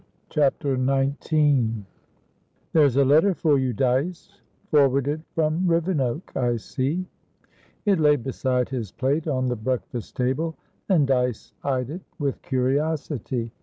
CHAPTER XIX "There's a letter for you, Dyce; forwarded from Rivenoak, I see." It lay beside his plate on the breakfast table, and Dyce eyed it with curiosity.